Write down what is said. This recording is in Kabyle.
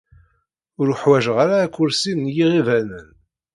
Ur uḥwaǧeɣ ara akersi n yiɛibanen.